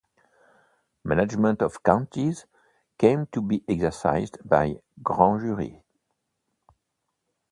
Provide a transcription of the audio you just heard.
Management of counties came to be exercised by grand juries.